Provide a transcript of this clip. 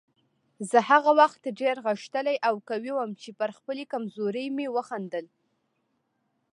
زه هغه وخت ډېر غښتلی او قوي وم چې پر خپلې کمزورۍ وخندل.